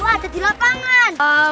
itu ada di lapangan